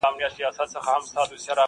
کتابونو کي راغلې دا کيسه ده!!